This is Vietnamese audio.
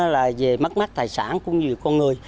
là về mắc mắc tài sản cũng như về con người